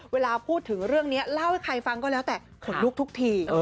เวลาพูดถึงเรื่องนี้เล่าให้ใครฟังก็แล้วแต่ขนลุกทุกที